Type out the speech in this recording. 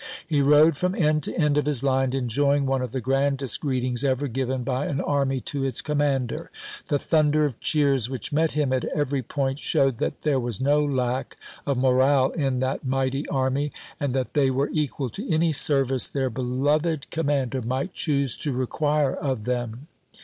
He rode from end to end of his line, enjoying one of the grandest greetings ever given by an army to its commander. The thunder of cheers which met him at every point showed that there was no lack of morale in that mighty army, and that they were equal to any service their beloved commander might choose to requii'e of them.